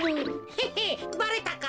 ヘヘッばれたか。